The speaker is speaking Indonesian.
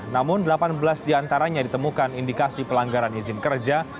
namun delapan belas diantaranya ditemukan indikasi pelanggaran izin kerja